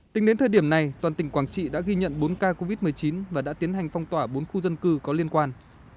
tính đến thời điểm này toàn tỉnh quảng trị đã ghi nhận bốn ca covid một mươi chín và đã tiến hành phong tỏa bốn khu dân cư có liên quan